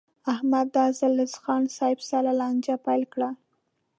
احمد دا ځل له خان صاحب سره لانجه پیل کړه.